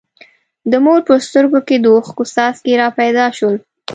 د مور په سترګو کې د اوښکو څاڅکي را پیدا شول.